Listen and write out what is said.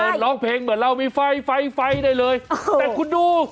ร้องเพลงเหมือนเรามีไฟไฟไฟได้เลยแต่คุณดู